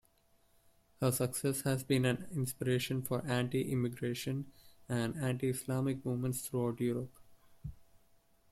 Her success has been an inspiration for anti-immigration and anti-Islamic movements throughout Europe.